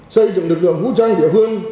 xây dựng lực lượng vũ trang địa hương